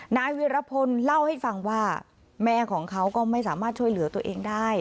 นายวิรพลเล่าให้ฟังว่าแม่ของเขาก็ไม่สามารถช่วยเหลือตัวเองได้